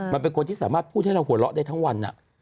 เป็นคนที่สามารถพูดให้เราหัวเราะได้ทั้งวัน